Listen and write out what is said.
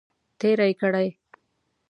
تیرې کړې.